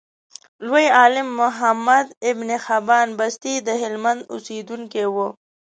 لوی عالم محمد ابن حبان بستي دهلمند اوسیدونکی و.